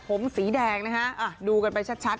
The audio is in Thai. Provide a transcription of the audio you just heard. ผมสีแดงนะฮะดูกันไปชัด